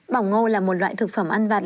bỏng ngô là một loại thực phẩm ăn vạt